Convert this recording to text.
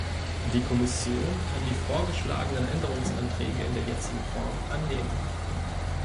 Die Kommission kann die vorgeschlagenen Änderungsanträge in der jetzigen Form annehmen.